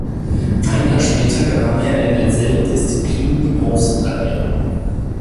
Ein Jahr später gewann er in derselben Disziplin die Bronzemedaille.